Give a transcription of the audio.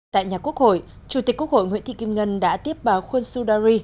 tại nhà quốc hội chủ tịch quốc hội nguyễn thị kim ngân đã tiếp báo khuân xu đa ri